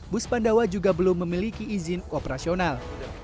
belum memiliki izin operasional